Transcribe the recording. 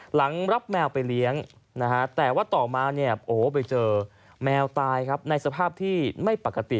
หลังรับแมวไปเลี้ยงแต่ว่าต่อมาไปเจอแมวตายในสภาพที่ไม่ปกติ